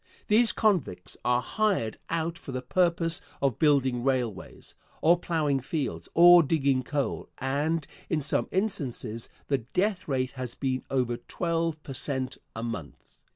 These convicts are hired out for the purpose of building railways, or plowing fields, or digging coal, and in some instances the death rate has been over twelve per cent. a month.